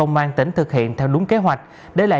về tình hình sức khỏe